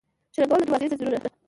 شرنګول د دروازو یې ځنځیرونه